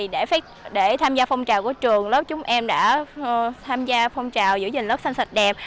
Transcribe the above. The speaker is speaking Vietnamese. để tham gia phong trào của trường lớp chúng em đã tham gia phong trào giữ gìn lớp xanh sạch đẹp